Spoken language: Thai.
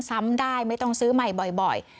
ซ้ำได้ไม่ต้องซื้อใหม่บ่อย